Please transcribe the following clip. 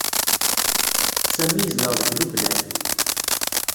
Sami yezdeɣ deg Lubnan.